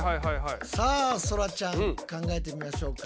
さあそらちゃん考えてみましょうか。